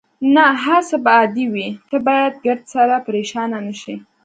نه، هر څه به عادي وي، ته باید ګردسره پرېشانه نه شې.